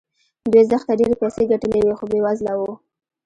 دوی زښته ډېرې پيسې ګټلې وې خو بې وزله وو.